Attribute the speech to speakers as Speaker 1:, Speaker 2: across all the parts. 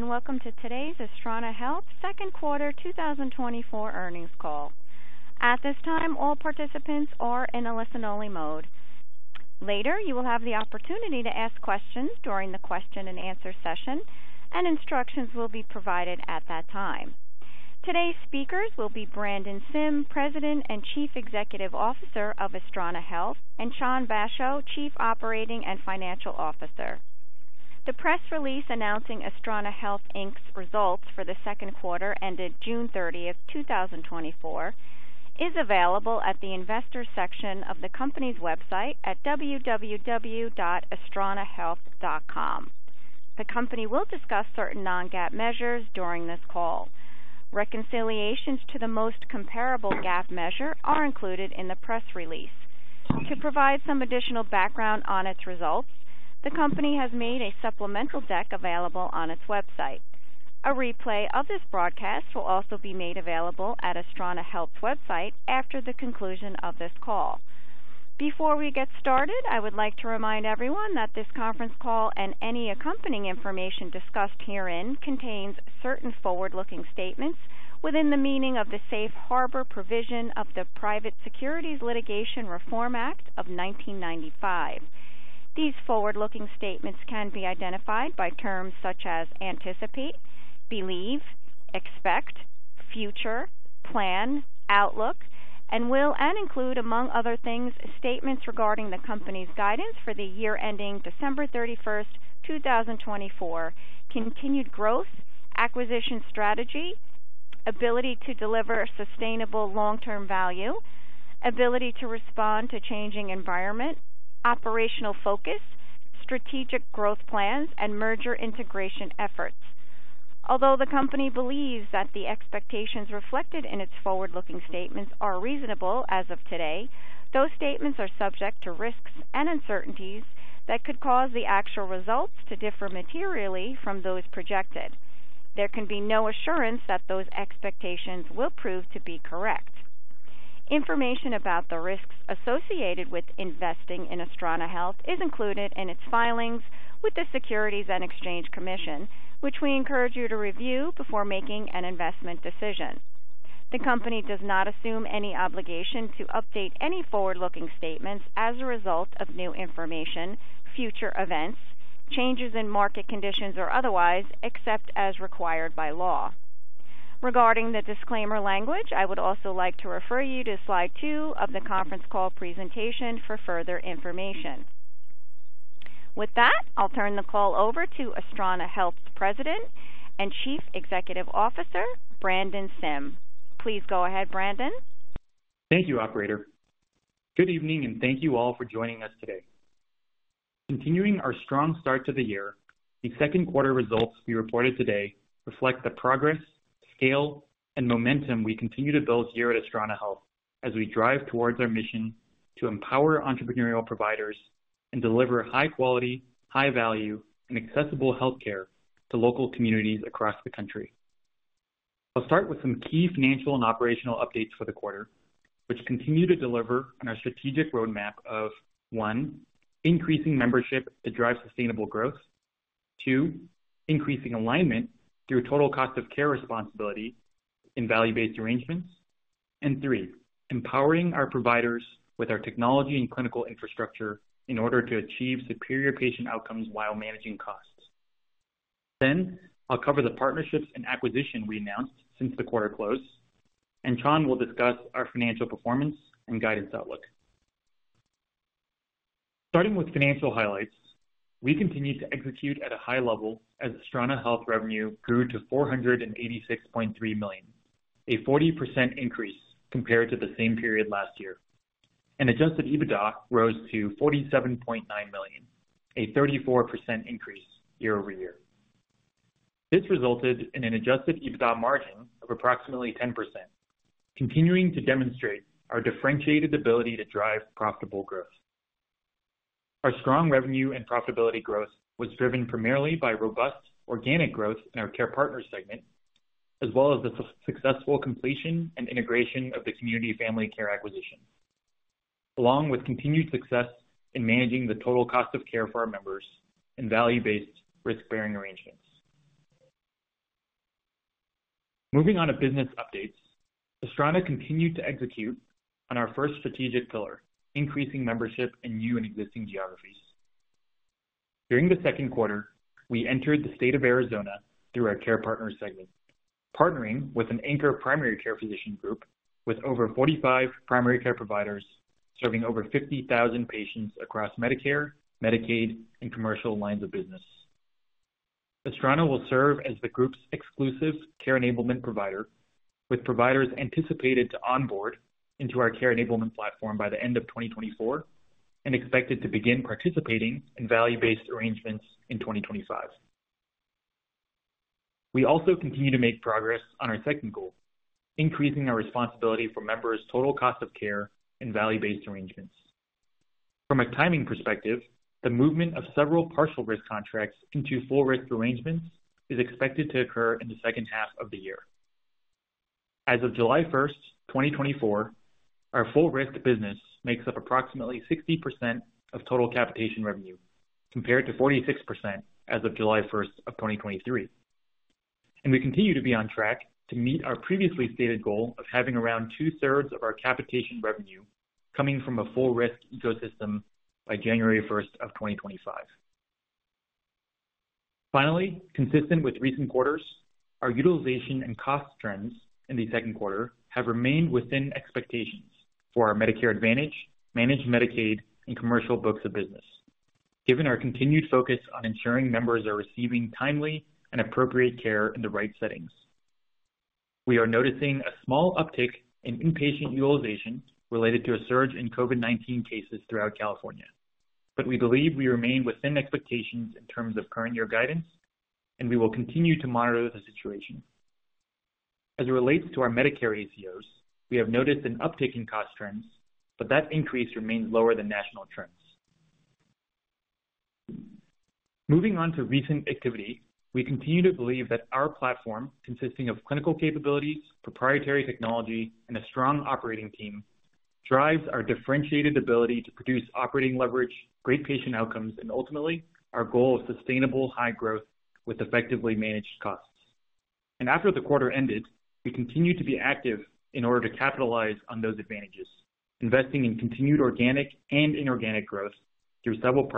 Speaker 1: Welcome to today's Astrana Health Second Quarter 2024 earnings call. At this time, all participants are in a listen-only mode. Later, you will have the opportunity to ask questions during the question-and-answer session, and instructions will be provided at that time. Today's speakers will be Brandon Sim, President and Chief Executive Officer of Astrana Health, and Chan Basho, Chief Operating and Financial Officer. The press release announcing Astrana Health Inc.'s results for the Second Quarter ended June 30th, 2024, is available at the investor section of the company's website at www.astranahealth.com. The company will discuss certain non-GAAP measures during this call. Reconciliations to the most comparable GAAP measure are included in the press release. To provide some additional background on its results, the company has made a supplemental deck available on its website. A replay of this broadcast will also be made available at Astrana Health's website after the conclusion of this call. Before we get started, I would like to remind everyone that this conference call and any accompanying information discussed herein contains certain forward-looking statements within the meaning of the safe harbor provision of the Private Securities Litigation Reform Act of 1995. These forward-looking statements can be identified by terms such as anticipate, believe, expect, future, plan, outlook, and will include, among other things, statements regarding the company's guidance for the year ending December 31st, 2024, continued growth, acquisition strategy, ability to deliver sustainable long-term value, ability to respond to changing environment, operational focus, strategic growth plans, and merger integration efforts. Although the company believes that the expectations reflected in its forward-looking statements are reasonable as of today, those statements are subject to risks and uncertainties that could cause the actual results to differ materially from those projected. There can be no assurance that those expectations will prove to be correct. Information about the risks associated with investing in Astrana Health is included in its filings with the Securities and Exchange Commission, which we encourage you to review before making an investment decision. The company does not assume any obligation to update any forward-looking statements as a result of new information, future events, changes in market conditions, or otherwise, except as required by law. Regarding the disclaimer language, I would also like to refer you to slide two of the conference call presentation for further information. With that, I'll turn the call over to Astrana Health's President and Chief Executive Officer, Brandon Sim. Please go ahead, Brandon.
Speaker 2: Thank you, Operator. Good evening, and thank you all for joining us today. Continuing our strong start to the year, the second quarter results we reported today reflect the progress, scale, and momentum we continue to build here at Astrana Health as we drive towards our mission to empower entrepreneurial providers and deliver high-quality, high-value, and accessible healthcare to local communities across the country. I'll start with some key financial and operational updates for the quarter, which continue to deliver on our strategic roadmap of: one, increasing membership to drive sustainable growth. Two, increasing alignment through total cost of care responsibility in value-based arrangements, and three, empowering our providers with our technology and clinical infrastructure in order to achieve superior patient outcomes while managing costs. Then, I'll cover the partnerships and acquisition we announced since the quarter closed, and Chan will discuss our financial performance and guidance outlook. Starting with financial highlights, we continued to execute at a high level as Astrana Health revenue grew to $486.3 million, a 40% increase compared to the same period last year, and Adjusted EBITDA rose to $47.9 million, a 34% increase year-over-year. This resulted in an Adjusted EBITDA margin of approximately 10%, continuing to demonstrate our differentiated ability to drive profitable growth. Our strong revenue and profitability growth was driven primarily by robust organic growth in our Care Partners segment, as well as the successful completion and integration of the Community Family Care acquisition, along with continued success in managing the total cost of care for our members in value-based, risk-bearing arrangements. Moving on to business updates, Astrana continued to execute on our first strategic pillar, increasing membership in new and existing geographies. During the second quarter, we entered the state of Arizona through our Care Partner segment, partnering with an anchor primary care physician group with over 45 primary care providers serving over 50,000 patients across Medicare, Medicaid, and commercial lines of business. Astrana will serve as the group's exclusive Care Enablement provider, with providers anticipated to onboard into our Care Enablement platform by the end of 2024 and expected to begin participating in value-based arrangements in 2025. We also continue to make progress on our second goal, increasing our responsibility for members' total cost of care in value-based arrangements. From a timing perspective, the movement of several partial risk contracts into full risk arrangements is expected to occur in the second half of the year. As of July 1st, 2024, our full risk business makes up approximately 60% of total capitation revenue, compared to 46% as of July 1st, 2023, and we continue to be on track to meet our previously stated goal of having around 2/3 of our capitation revenue coming from a full risk ecosystem by January 1st, 2025. Finally, consistent with recent quarters, our utilization and cost trends in the second quarter have remained within expectations for our Medicare Advantage, Managed Medicaid, and commercial books of business, given our continued focus on ensuring members are receiving timely and appropriate care in the right settings. We are noticing a small uptick in inpatient utilization related to a surge in COVID-19 cases throughout California, but we believe we remain within expectations in terms of current year guidance, and we will continue to monitor the situation. As it relates to our Medicare ACOs, we have noticed an uptick in cost trends, but that increase remains lower than national trends. Moving on to recent activity, we continue to believe that our platform, consisting of clinical capabilities, proprietary technology, and a strong operating team, drives our differentiated ability to produce operating leverage, great patient outcomes, and ultimately, our goal of sustainable high growth with effectively managed costs. After the quarter ended, we continue to be active in order to capitalize on those advantages, investing in continued organic and inorganic growth through several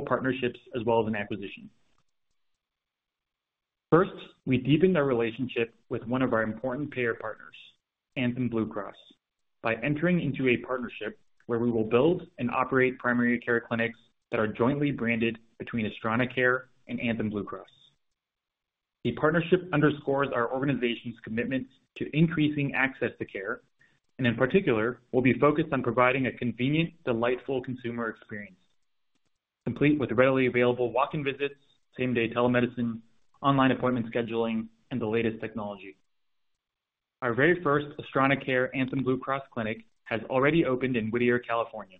Speaker 2: partnerships as well as an acquisition. First, we deepened our relationship with one of our important payer partners, Anthem Blue Cross, by entering into a partnership where we will build and operate primary care clinics that are jointly branded between Astrana Care and Anthem Blue Cross. The partnership underscores our organization's commitment to increasing access to care and, in particular, will be focused on providing a convenient, delightful consumer experience, complete with readily available walk-in visits, same-day telemedicine, online appointment scheduling, and the latest technology. Our very first Astrana Care Anthem Blue Cross clinic has already opened in Whittier, California,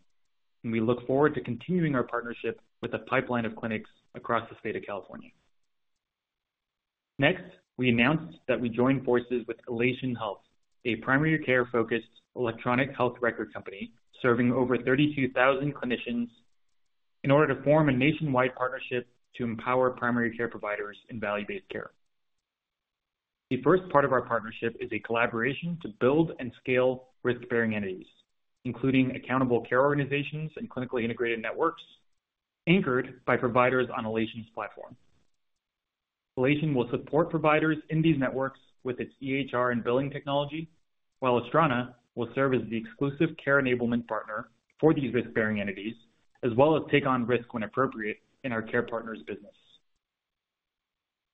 Speaker 2: and we look forward to continuing our partnership with a pipeline of clinics across the state of California. Next, we announced that we joined forces with Elation Health, a primary care-focused electronic health record company serving over 32,000 clinicians, in order to form a nationwide partnership to empower primary care providers in value-based care. The first part of our partnership is a collaboration to build and scale risk-bearing entities, including accountable care organizations and clinically integrated networks anchored by providers on Elation's platform. Elation will support providers in these networks with its EHR and billing technology, while Astrana will serve as the exclusive care enablement partner for these risk-bearing entities, as well as take on risk when appropriate in our Care Partners business.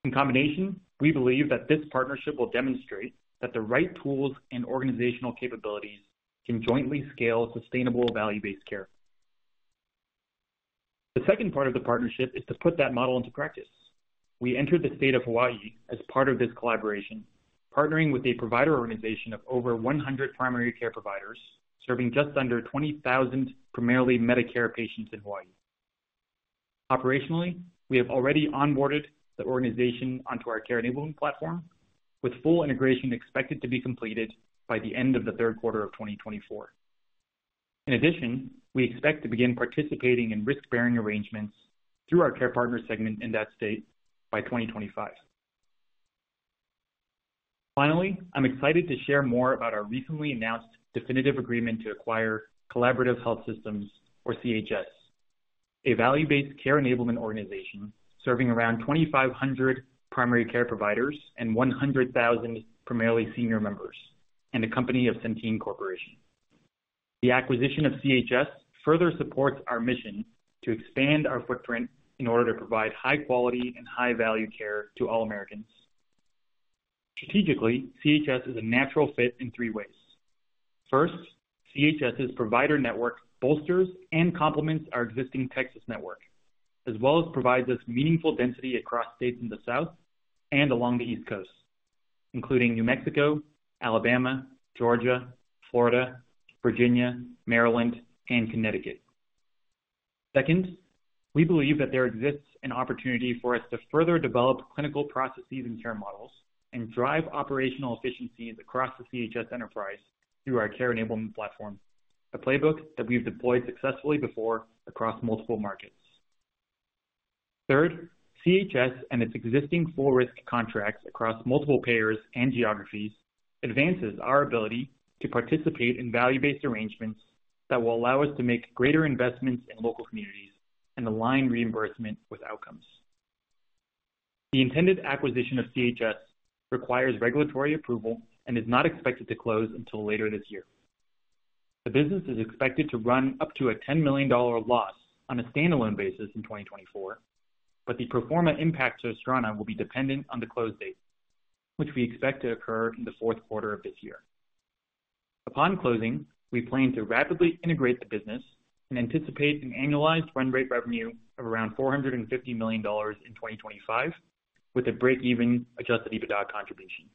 Speaker 2: In combination, we believe that this partnership will demonstrate that the right tools and organizational capabilities can jointly scale sustainable value-based care. The second part of the partnership is to put that model into practice. We entered the state of Hawaii as part of this collaboration, partnering with a provider organization of over 100 primary care providers serving just under 20,000 primarily Medicare patients in Hawaii. Operationally, we have already onboarded the organization onto our Care Enablement platform, with full integration expected to be completed by the end of the third quarter of 2024. In addition, we expect to begin participating in risk-bearing arrangements through our Care Partners segment in that state by 2025. Finally, I'm excited to share more about our recently announced definitive agreement to acquire Collaborative Health Systems, or CHS, a value-based care enablement organization serving around 2,500 primary care providers and 100,000 primarily senior members, and a company of Centene Corporation. The acquisition of CHS further supports our mission to expand our footprint in order to provide high-quality and high-value care to all Americans. Strategically, CHS is a natural fit in three ways. First, CHS's provider network bolsters and complements our existing Texas network, as well as provides us meaningful density across states in the South and along the East Coast, including New Mexico, Alabama, Georgia, Florida, Virginia, Maryland, and Connecticut. Second, we believe that there exists an opportunity for us to further develop clinical processes and care models and drive operational efficiencies across the CHS enterprise through our Care Enablement platform, a playbook that we've deployed successfully before across multiple markets. Third, CHS and its existing full risk contracts across multiple payers and geographies advances our ability to participate in value-based arrangements that will allow us to make greater investments in local communities and align reimbursement with outcomes. The intended acquisition of CHS requires regulatory approval and is not expected to close until later this year. The business is expected to run up to a $10 million loss on a standalone basis in 2024, but the pro forma impact to Astrana will be dependent on the close date, which we expect to occur in the fourth quarter of this year. Upon closing, we plan to rapidly integrate the business and anticipate an annualized run rate revenue of around $450 million in 2025, with a break-even Adjusted EBITDA contribution.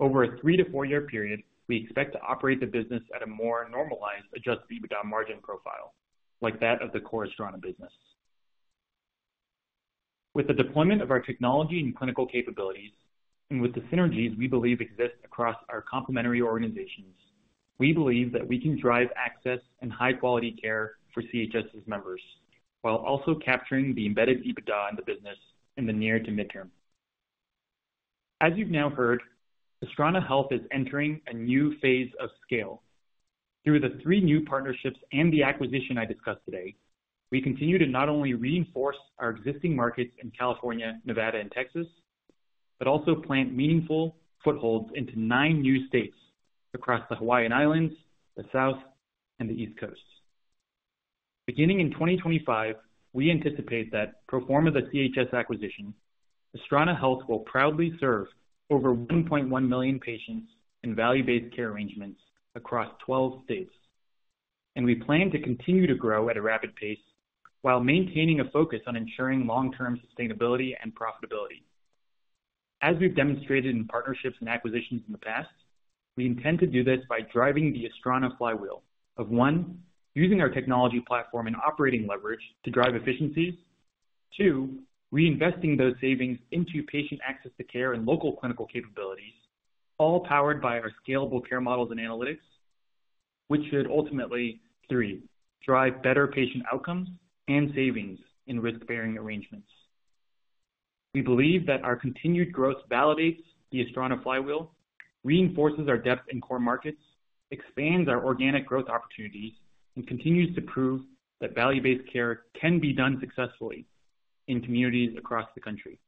Speaker 2: Over a three- to four-year period, we expect to operate the business at a more normalized Adjusted EBITDA margin profile, like that of the core Astrana business. With the deployment of our technology and clinical capabilities, and with the synergies we believe exist across our complementary organizations, we believe that we can drive access and high-quality care for CHS's members while also capturing the embedded EBITDA in the business in the near- to midterm. As you've now heard, Astrana Health is entering a new phase of scale. Through the three new partnerships and the acquisition I discussed today, we continue to not only reinforce our existing markets in California, Nevada, and Texas, but also plant meaningful footholds into nine new states across the Hawaiian Islands, the South, and the East Coast. Beginning in 2025, we anticipate that pro forma of the CHS acquisition, Astrana Health will proudly serve over 1.1 million patients in value-based care arrangements across 12 states, and we plan to continue to grow at a rapid pace while maintaining a focus on ensuring long-term sustainability and profitability. As we've demonstrated in partnerships and acquisitions in the past, we intend to do this by driving the Astrana flywheel of, one, using our technology platform and operating leverage to drive efficiencies. Two, reinvesting those savings into patient access to care and local clinical capabilities, all powered by our scalable care models and analytics, which should ultimately, three, drive better patient outcomes and savings in risk-bearing arrangements. We believe that our continued growth validates the Astrana flywheel, reinforces our depth in core markets, expands our organic growth opportunities, and continues to prove that value-based care can be done successfully in communities across the country.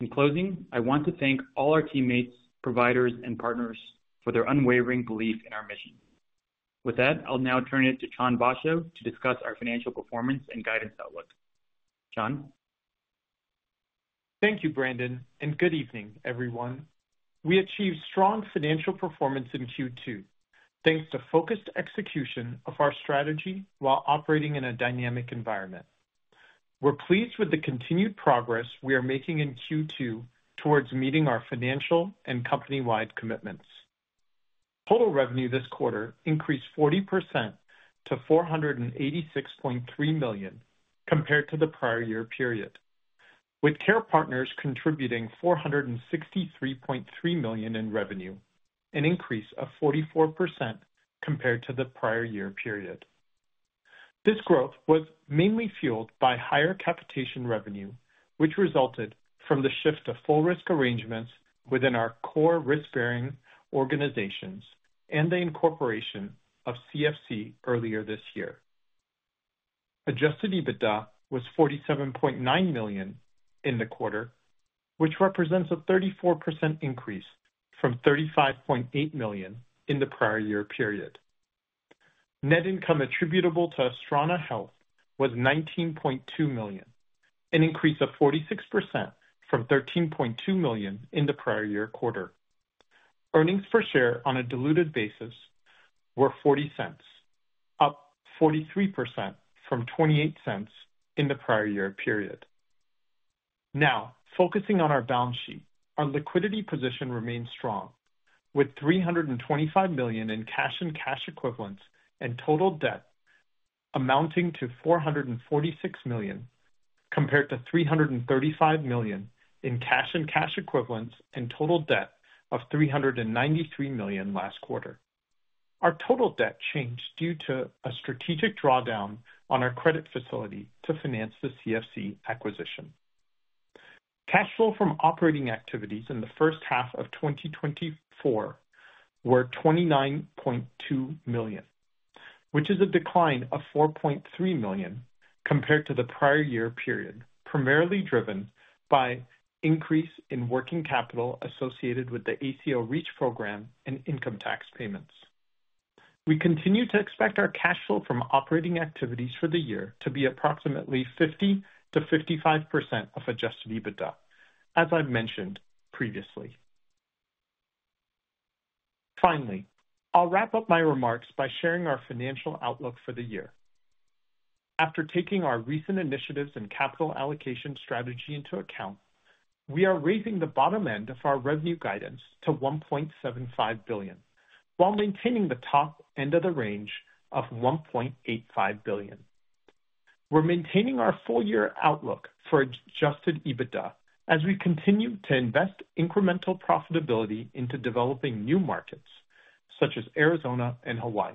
Speaker 2: In closing, I want to thank all our teammates, providers, and partners for their unwavering belief in our mission. With that, I'll now turn it to Chan Basho to discuss our financial performance and guidance outlook. Chan?
Speaker 3: Thank you, Brandon, and good evening, everyone. We achieved strong financial performance in Q2 thanks to focused execution of our strategy while operating in a dynamic environment. We're pleased with the continued progress we are making in Q2 towards meeting our financial and company-wide commitments. Total revenue this quarter increased 40% to $486.3 million compared to the prior year period, with Care Partners contributing $463.3 million in revenue, an increase of 44% compared to the prior year period. This growth was mainly fueled by higher capitation revenue, which resulted from the shift to full risk arrangements within our core risk-bearing organizations and the incorporation of CFC earlier this year. Adjusted EBITDA was $47.9 million in the quarter, which represents a 34% increase from $35.8 million in the prior year period. Net income attributable to Astrana Health was $19.2 million, an increase of 46% from $13.2 million in the prior year quarter. Earnings per share on a diluted basis were $0.40, up 43% from $0.28 in the prior year period. Now, focusing on our balance sheet, our liquidity position remains strong, with $325 million in cash and cash equivalents and total debt amounting to $446 million compared to $335 million in cash and cash equivalents and total debt of $393 million last quarter. Our total debt changed due to a strategic drawdown on our credit facility to finance the CFC acquisition. Cash flow from operating activities in the first half of 2024 were $29.2 million, which is a decline of $4.3 million compared to the prior year period, primarily driven by increase in working capital associated with the ACO REACH program and income tax payments. We continue to expect our cash flow from operating activities for the year to be approximately 50%-55% of Adjusted EBITDA, as I've mentioned previously. Finally, I'll wrap up my remarks by sharing our financial outlook for the year. After taking our recent initiatives and capital allocation strategy into account, we are raising the bottom end of our revenue guidance to $1.75 billion, while maintaining the top end of the range of $1.85 billion. We're maintaining our full-year outlook for Adjusted EBITDA as we continue to invest incremental profitability into developing new markets, such as Arizona and Hawaii.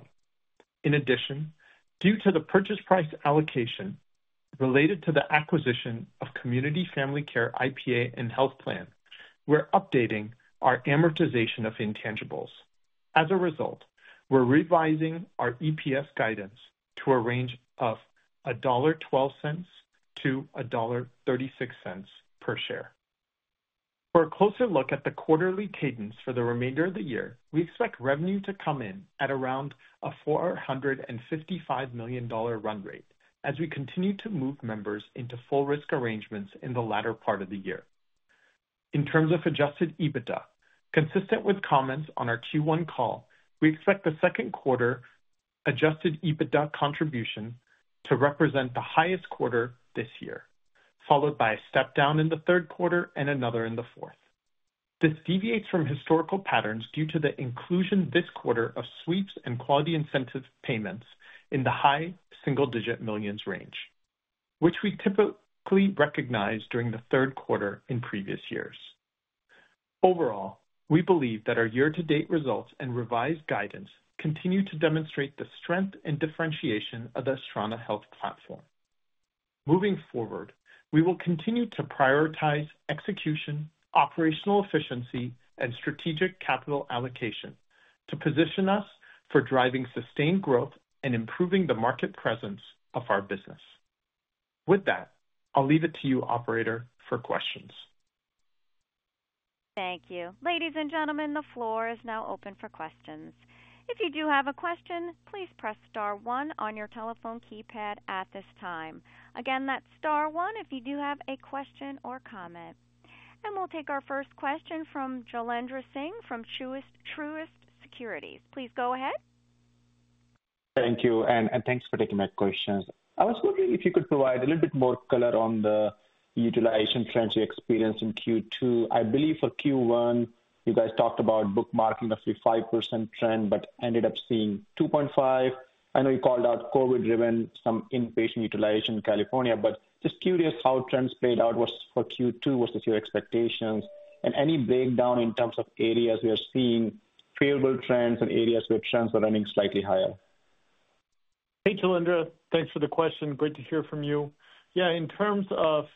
Speaker 3: In addition, due to the purchase price allocation related to the acquisition of Community Family Care IPA and Health Plan, we're updating our amortization of intangibles. As a result, we're revising our EPS guidance to a range of $1.12-$1.36 per share. For a closer look at the quarterly cadence for the remainder of the year, we expect revenue to come in at around a $455 million run rate as we continue to move members into full risk arrangements in the latter part of the year. In terms of Adjusted EBITDA, consistent with comments on our Q1 call, we expect the second quarter Adjusted EBITDA contribution to represent the highest quarter this year, followed by a step down in the third quarter and another in the fourth. This deviates from historical patterns due to the inclusion this quarter of sweeps and quality incentive payments in the high-single-digit millions range, which we typically recognize during the third quarter in previous years. Overall, we believe that our year-to-date results and revised guidance continue to demonstrate the strength and differentiation of the Astrana Health platform. Moving forward, we will continue to prioritize execution, operational efficiency, and strategic capital allocation to position us for driving sustained growth and improving the market presence of our business. With that, I'll leave it to you, Operator, for questions.
Speaker 1: Thank you. Ladies and gentlemen, the floor is now open for questions. If you do have a question, please press star one on your telephone keypad at this time. Again, that's star one if you do have a question or comment. We'll take our first question from Jailendra Singh from Truist Securities. Please go ahead.
Speaker 4: Thank you, and thanks for taking my questions. I was wondering if you could provide a little bit more color on the utilization trends you experienced in Q2. I believe for Q1, you guys talked about bookmarking a 5% trend, but ended up seeing 2.5%. I know you called out COVID-driven some inpatient utilization in California, but just curious how trends played out for Q2 versus your expectations, and any breakdown in terms of areas we are seeing favorable trends and areas where trends are running slightly higher?
Speaker 3: Hey, Jailendra, thanks for the question. Great to hear from you. Yeah, in terms of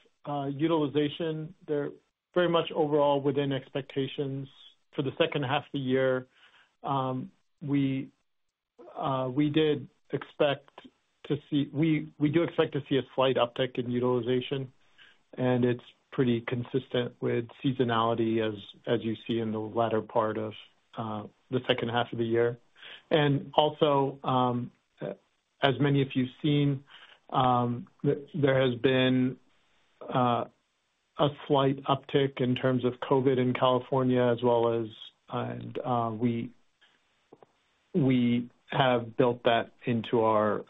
Speaker 3: utilization, they're very much overall within expectations for the second half of the year. We did expect to see we do expect to see a slight uptick in utilization, and it's pretty consistent with seasonality as you see in the latter part of the second half of the year. And also, as many of you have seen, there has been a slight uptick in terms of COVID in California, as well as. We have built that into our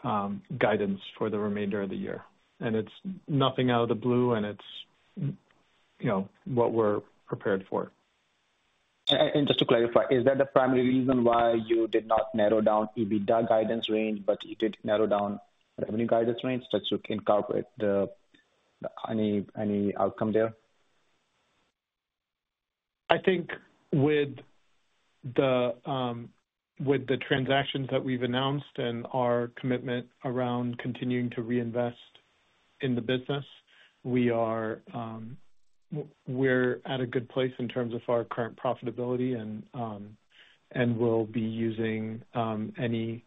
Speaker 3: guidance for the remainder of the year. It's nothing out of the blue, and it's what we're prepared for.
Speaker 4: Just to clarify, is that the primary reason why you did not narrow down EBITDA guidance range, but you did narrow down revenue guidance range just to incorporate any outcome there?
Speaker 3: I think with the transactions that we've announced and our commitment around continuing to reinvest in the business, we're at a good place in terms of our current profitability and will be using any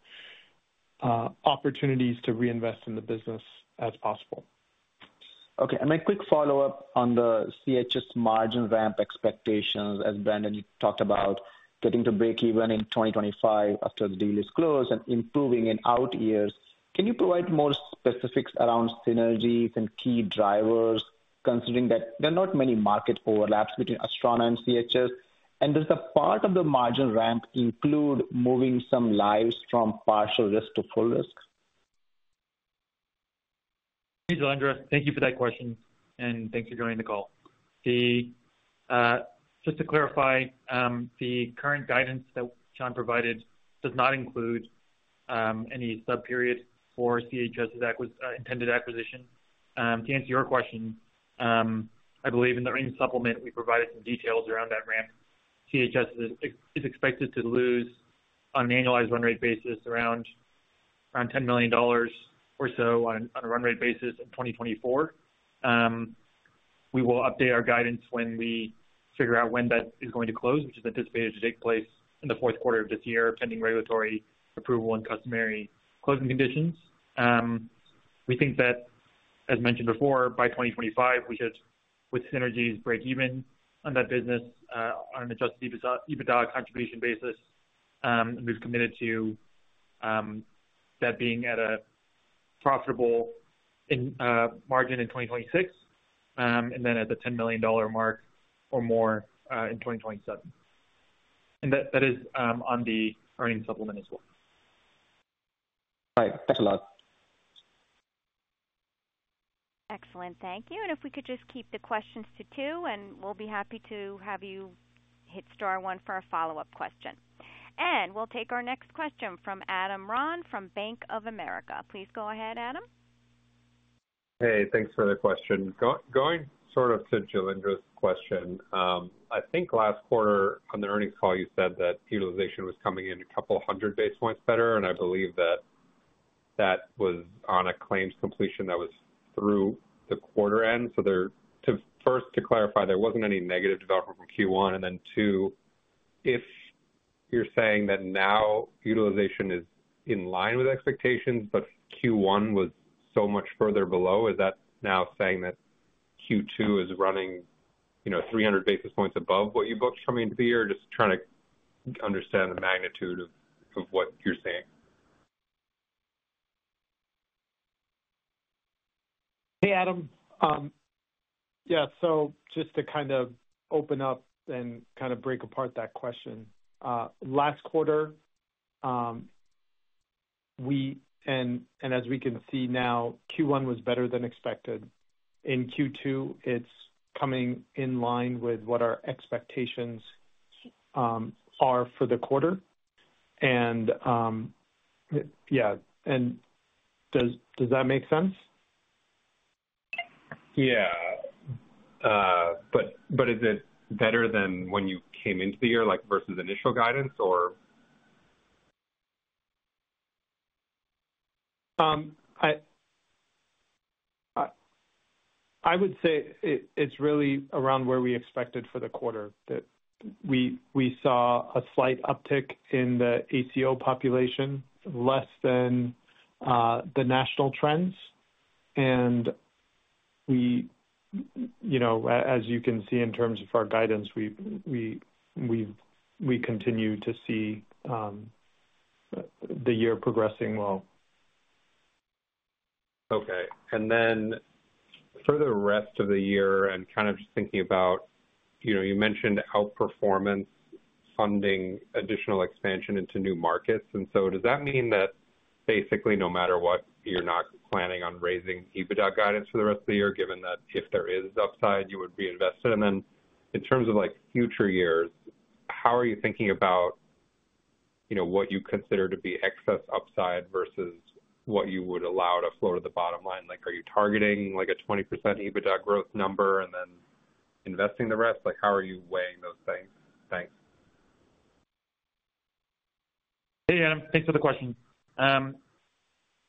Speaker 3: opportunities to reinvest in the business as possible.
Speaker 4: Okay. My quick follow-up on the CHS margin ramp expectations, as Brandon talked about, getting to break even in 2025 after the deal is closed and improving in out years. Can you provide more specifics around synergies and key drivers, considering that there are not many market overlaps between Astrana and CHS? And does the part of the margin ramp include moving some lives from partial risk to full risk?
Speaker 2: Hey, Jailendra, thank you for that question, and thanks for joining the call. Just to clarify, the current guidance that Chan provided does not include any sub-period for CHS's intended acquisition. To answer your question, I believe in the earnings supplement, we provided some details around that ramp. CHS is expected to lose on an annualized run rate basis around $10 million or so on a run rate basis in 2024. We will update our guidance when we figure out when that is going to close, which is anticipated to take place in the fourth quarter of this year, pending regulatory approval and customary closing conditions. We think that, as mentioned before, by 2025, we should, with synergies, break even on that business on an Adjusted EBITDA contribution basis. We've committed to that being at a profitable margin in 2026, and then at the $10 million mark or more in 2027. That is on the earnings supplement as well.
Speaker 4: Right. Thanks a lot.
Speaker 1: Excellent. Thank you. If we could just keep the questions to two, and we'll be happy to have you hit star one for a follow-up question. We'll take our next question from Adam Ron from Bank of America. Please go ahead, Adam.
Speaker 5: Hey, thanks for the question. Going sort of to Jailendra's question, I think last quarter on the earnings call, you said that utilization was coming in a couple hundred basis points better, and I believe that that was on a claims completion that was through the quarter end. So first, to clarify, there wasn't any negative development from Q1. And then 2, if you're saying that now utilization is in line with expectations, but Q1 was so much further below, is that now saying that Q2 is running 300 basis points above what you booked coming into the year? Just trying to understand the magnitude of what you're saying.
Speaker 3: Hey, Adam. Yeah, so just to kind of open up and kind of break apart that question. Last quarter, and as we can see now, Q1 was better than expected. In Q2, it's coming in line with what our expectations are for the quarter. And yeah, and does that make sense?
Speaker 5: Yeah. But is it better than when you came into the year versus initial guidance, or? I would say it's really around where we expected for the quarter that we saw a slight uptick in the ACO population, less than the national trends.
Speaker 3: As you can see in terms of our guidance, we continue to see the year progressing well.
Speaker 5: Okay. Then for the rest of the year, and kind of just thinking about you mentioned outperformance, funding, additional expansion into new markets. So does that mean that basically no matter what, you're not planning on raising EBITDA guidance for the rest of the year, given that if there is upside, you would reinvest it? Then in terms of future years, how are you thinking about what you consider to be excess upside versus what you would allow to float at the bottom line? Are you targeting a 20% EBITDA growth number and then investing the rest? How are you weighing those things? Thanks.
Speaker 2: Hey, Adam. Thanks for the question. I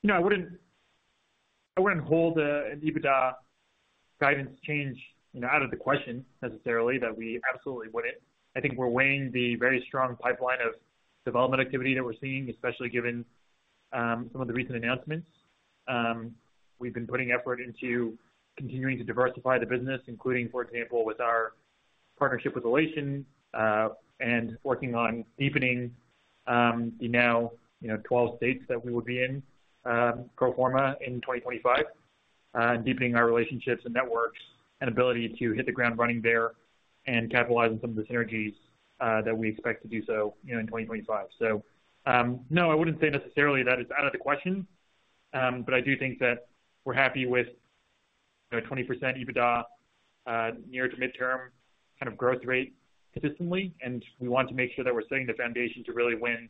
Speaker 2: wouldn't hold an EBITDA guidance change out of the question necessarily, that we absolutely wouldn't. I think we're weighing the very strong pipeline of development activity that we're seeing, especially given some of the recent announcements. We've been putting effort into continuing to diversify the business, including, for example, with our partnership with Elation and working on deepening the now 12 states that we will be in pro forma in 2025, and deepening our relationships and networks and ability to hit the ground running there and capitalize on some of the synergies that we expect to do so in 2025. So no, I wouldn't say necessarily that it's out of the question, but I do think that we're happy with a 20% EBITDA near to midterm kind of growth rate consistently. And we want to make sure that we're setting the foundation to really win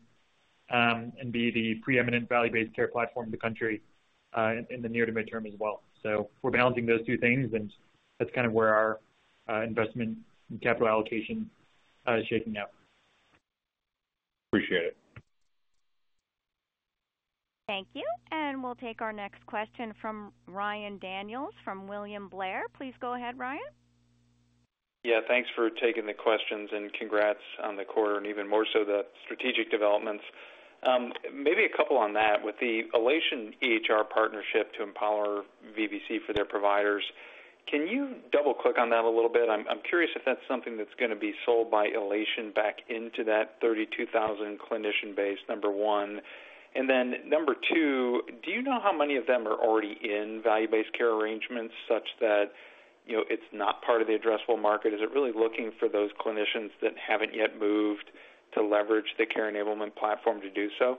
Speaker 2: and be the preeminent value-based care platform in the country in the near to midterm as well. So we're balancing those two things, and that's kind of where our investment and capital allocation is shaking out.
Speaker 5: Appreciate it.
Speaker 1: Thank you. And we'll take our next question from Ryan Daniels from William Blair. Please go ahead, Ryan.
Speaker 6: Yeah, thanks for taking the questions and congrats on the quarter and even more so the strategic developments. Maybe a couple on that. With the Elation EHR partnership to empower VBC for their providers, can you double-click on that a little bit? I'm curious if that's something that's going to be sold by Elation back into that 32,000 clinician-based number one. Then number two, do you know how many of them are already in value-based care arrangements such that it's not part of the addressable market? Is it really looking for those clinicians that haven't yet moved to leverage the Care Enablement platform to do so?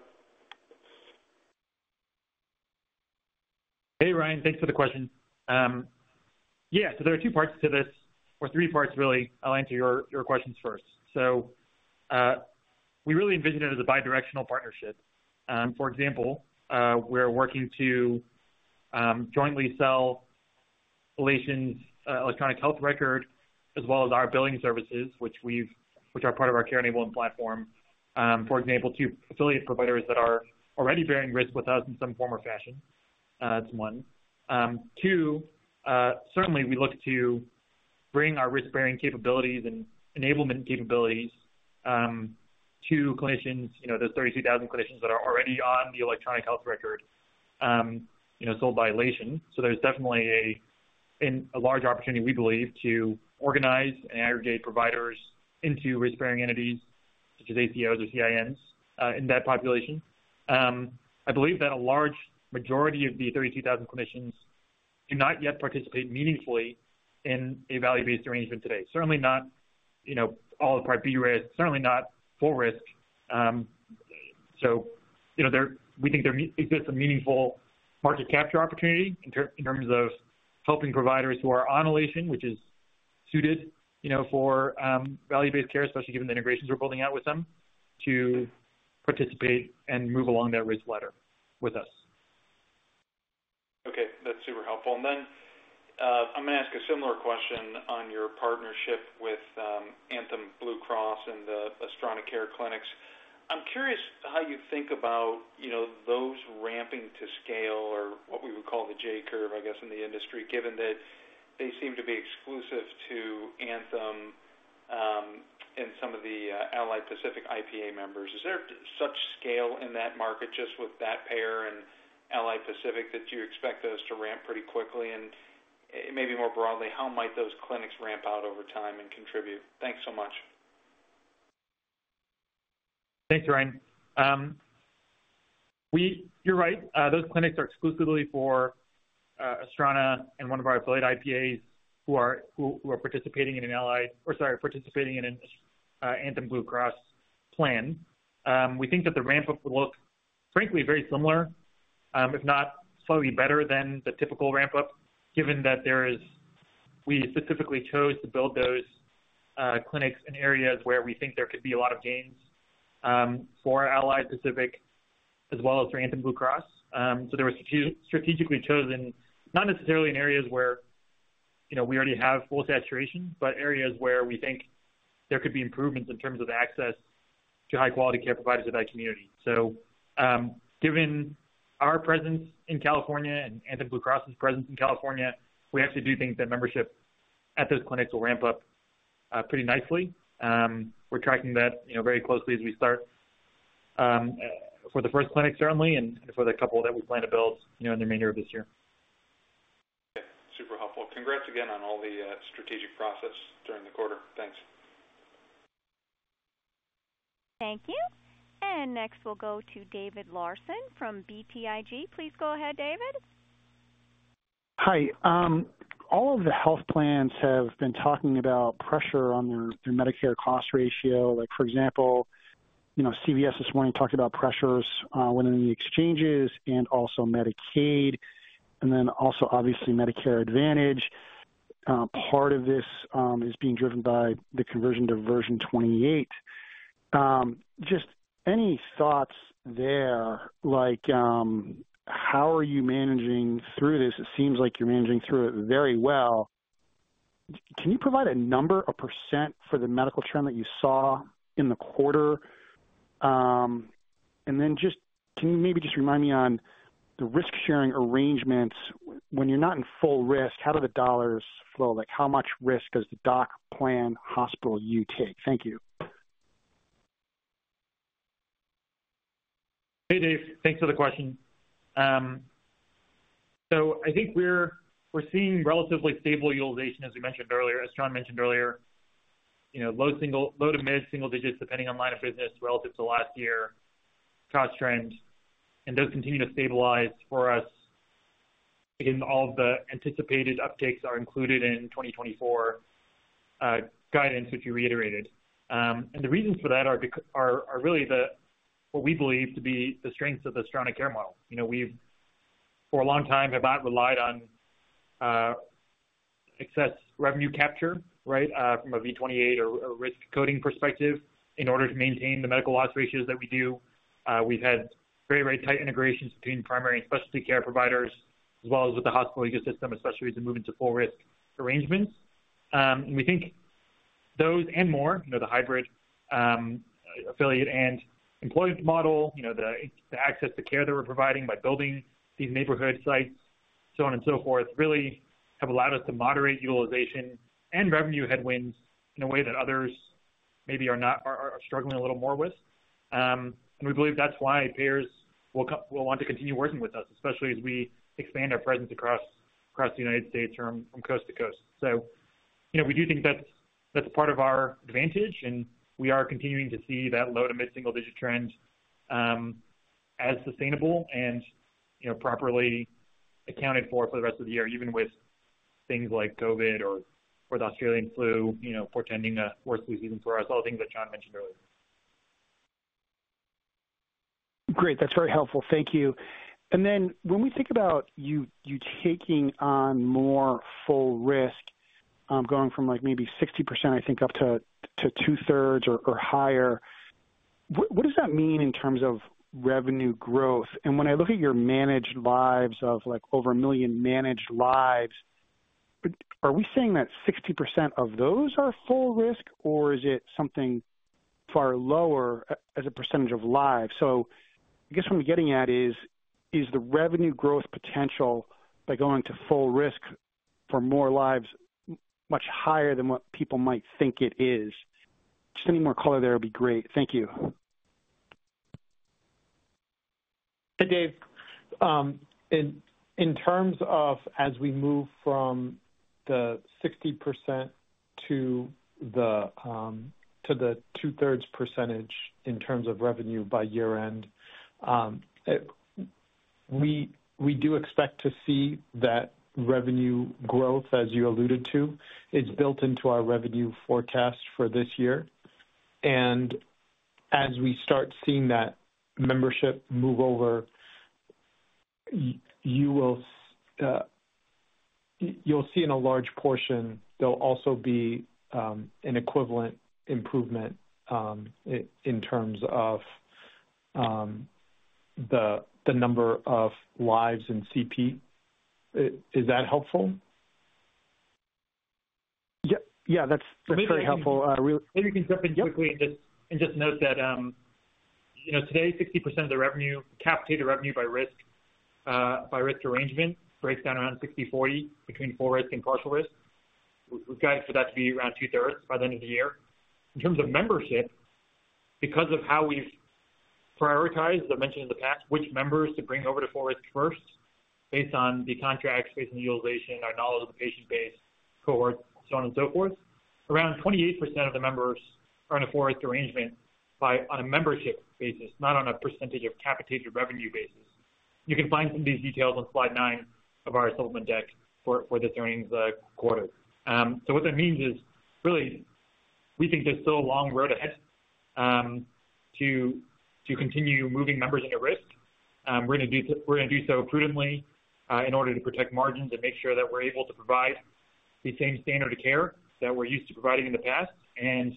Speaker 2: Hey, Ryan. Thanks for the question. Yeah, so there are two parts to this, or three parts really. I'll answer your questions first. So we really envision it as a bidirectional partnership. For example, we're working to jointly sell Elation's electronic health record as well as our billing services, which are part of our Care Enablement platform, for example, to affiliate providers that are already bearing risk with us in some form or fashion. That's one. Two, certainly we look to bring our risk-bearing capabilities and enablement capabilities to clinicians, those 32,000 clinicians that are already on the electronic health record sold by Elation. So there's definitely a large opportunity, we believe, to organize and aggregate providers into risk-bearing entities such as ACOs or CINs in that population. I believe that a large majority of the 32,000 clinicians do not yet participate meaningfully in a value-based arrangement today. Certainly not all Part B risk, certainly not full risk. So we think there exists a meaningful market capture opportunity in terms of helping providers who are on Elation, which is suited for value-based care, especially given the integrations we're building out with them, to participate and move along that risk ladder with us.
Speaker 6: Okay. That's super helpful. And then I'm going to ask a similar question on your partnership with Anthem Blue Cross and the Astrana Care Clinics. I'm curious how you think about those ramping to scale or what we would call the J curve, I guess, in the industry, given that they seem to be exclusive to Anthem and some of the Allied Pacific IPA members. Is there such scale in that market just with that pair and Allied Pacific that you expect those to ramp pretty quickly? Maybe more broadly, how might those clinics ramp out over time and contribute? Thanks so much.
Speaker 2: Thanks, Ryan. You're right. Those clinics are exclusively for Astrana and one of our affiliate IPAs who are participating in an Allied or sorry, participating in an Anthem Blue Cross plan. We think that the ramp-up will look, frankly, very similar, if not slightly better than the typical ramp-up, given that we specifically chose to build those clinics in areas where we think there could be a lot of gains for Allied Pacific as well as for Anthem Blue Cross. So they were strategically chosen, not necessarily in areas where we already have full saturation, but areas where we think there could be improvements in terms of access to high-quality care providers in that community. So given our presence in California and Anthem Blue Cross's presence in California, we actually do think that membership at those clinics will ramp up pretty nicely. We're tracking that very closely as we start for the first clinic, certainly, and for the couple that we plan to build in the remainder of this year.
Speaker 6: Okay. Super helpful. Congrats again on all the strategic progress during the quarter. Thanks.
Speaker 1: Thank you. And next, we'll go to David Larsen from BTIG. Please go ahead, David.
Speaker 7: Hi. All of the health plans have been talking about pressure on their Medicare cost ratio. For example, CVS this morning talked about pressures within the exchanges and also Medicaid, and then also, obviously, Medicare Advantage. Part of this is being driven by the conversion to version 28. Just any thoughts there? How are you managing through this? It seems like you're managing through it very well. Can you provide a number, a percent for the medical trend that you saw in the quarter? And then just can you maybe just remind me on the risk-sharing arrangements? When you're not in full risk, how do the dollars flow? How much risk does the doc plan hospital you take? Thank you.
Speaker 2: Hey, Dave. Thanks for the question. I think we're seeing relatively stable utilization, as we mentioned earlier. As Chan mentioned earlier, low- to mid-single-digits, depending on line of business relative to last year's cost trend, and does continue to stabilize for us. Again, all of the anticipated uptakes are included in 2024 guidance, which you reiterated. The reasons for that are really what we believe to be the strengths of the Astrana Care model. We've, for a long time, have not relied on excess revenue capture, right, from a V28 or risk coding perspective in order to maintain the medical loss ratios that we do. We've had very, very tight integrations between primary and specialty care providers, as well as with the hospital ecosystem, especially as we move into full risk arrangements. We think those and more, the hybrid affiliate and employment model, the access to care that we're providing by building these neighborhood sites, so on and so forth, really have allowed us to moderate utilization and revenue headwinds in a way that others maybe are struggling a little more with. We believe that's why payers will want to continue working with us, especially as we expand our presence across the United States from coast to coast. So we do think that's part of our advantage, and we are continuing to see that low- to mid-single-digit trend as sustainable and properly accounted for for the rest of the year, even with things like COVID or the Australian flu portending a worse season for us, all the things that Chan mentioned earlier.
Speaker 7: Great. That's very helpful. Thank you. And then when we think about you taking on more full risk, going from maybe 60%, I think, up to 2/3 or higher, what does that mean in terms of revenue growth? And when I look at your managed lives of over 1 million managed lives, are we saying that 60% of those are full risk, or is it something far lower as a percentage of lives? So I guess what I'm getting at is, is the revenue growth potential by going to full risk for more lives much higher than what people might think it is? Just any more color there would be great. Thank you.
Speaker 3: Hey, Dave. In terms of as we move from the 60% to the 2/3 percentage in terms of revenue by year-end, we do expect to see that revenue growth, as you alluded to, is built into our revenue forecast for this year. And as we start seeing that membership move over, you'll see in a large portion there'll also be an equivalent improvement in terms of the number of lives in CP. Is that helpful?
Speaker 7: Yeah. That's very helpful.
Speaker 2: Maybe we can jump in quickly and just note that today, 60% of the revenue, capitated revenue by risk arrangement, breaks down around 60/40 between full risk and partial risk. We've got it for that to be around 2/3 by the end of the year. In terms of membership, because of how we've prioritized, as I mentioned in the past, which members to bring over to full risk first based on the contracts, based on utilization, our knowledge of the patient base, cohorts, so on and so forth, around 28% of the members are in a full risk arrangement on a membership basis, not on a percentage of capitated revenue basis. You can find some of these details on slide 9 of our supplement deck for this earnings quarter. So what that means is, really, we think there's still a long road ahead to continue moving members into risk. We're going to do so prudently in order to protect margins and make sure that we're able to provide the same standard of care that we're used to providing in the past. And